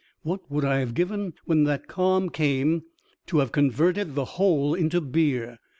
What would I have given when that calm came to have converted the whole into beer?